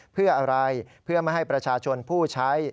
เพื่ออะไรเพื่อไม่ให้ประชาชนผู้ใช้